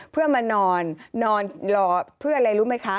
เพื่อมานอนนอนรอเพื่ออะไรรู้ไหมคะ